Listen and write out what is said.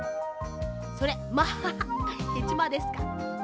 それまあへちまですか。